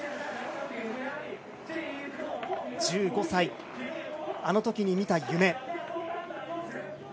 １５歳、あのときに見た夢。